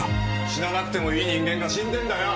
死ななくてもいい人間が死んでんだよ